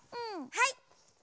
はい！